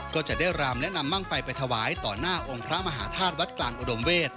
ก็จะได้รามและนำมั่งไฟไปถวายต่อหน้าองค์พระมหาธาตุวัดกลางอุดมเวศ